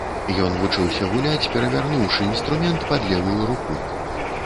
Ён вучыўся гуляць, перавярнуўшы інструмент пад левую руку.